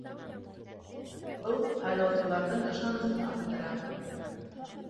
Был һайлаусыларҙың ышанысын арттыра.